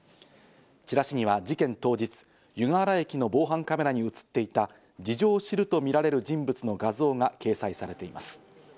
チラシには事件当日、湯河原駅の防犯カメラに映っていた事情を知るとみられる人物の画像が掲載されています。